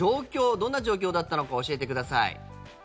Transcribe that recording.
どんな状況だったのか教えてください。